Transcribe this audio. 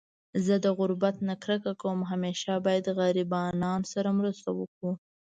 زه د غربت نه کرکه کوم .همیشه باید غریبانانو سره مرسته وکړو